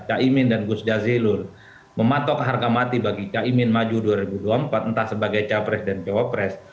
caimin dan gus jazilur mematok harga mati bagi caimin maju dua ribu dua puluh empat entah sebagai capres dan cawapres